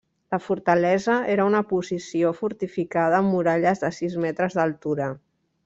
La fortalesa era una posició fortificada amb muralles de sis metres d'altura.